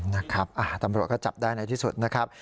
นะครับตำรวจก็จับได้ในที่สุดนะครับ